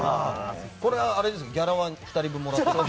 これはギャラは２人分もらってるの？